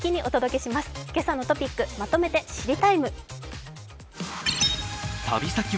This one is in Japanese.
「けさのトピックまとめて知りＴＩＭＥ，」。